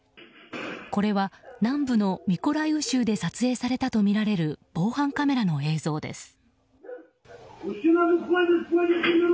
これは南部のミコライウ州で撮影されたとみられる防犯カメラの映像です。